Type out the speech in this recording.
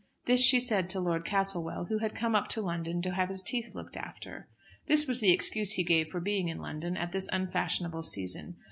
This she said to Lord Castlewell, who had come up to London to have his teeth looked after. This was the excuse he gave for being in London at this unfashionable season.